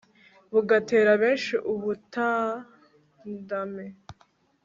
bugatera benshi ubutandame